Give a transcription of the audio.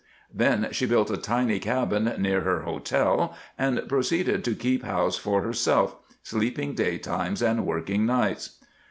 Then she built a tiny cabin near her "hotel," and proceeded to keep house for herself, sleeping daytimes and working nights.